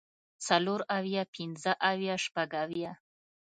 څلور اويه پنځۀ اويه شپږ اويه